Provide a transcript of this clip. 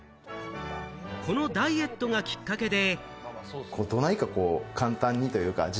このダイエットがきっかけで。